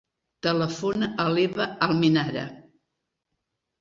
Telefona a l'Eva Almenara.